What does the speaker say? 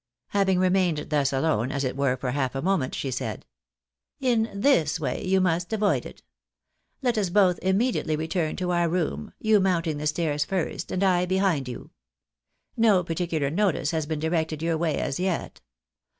Having remained thus alone, as it were, for half a moment, she said, " In this way you must avoid it. Let us both iramediately return to our room, you mounting the stairs first, and I behind you. No particular notice has been directed your way as yet.